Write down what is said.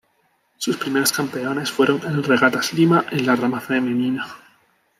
Sus primeros campeones fueron el Regatas Lima en la rama femenina.